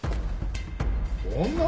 女？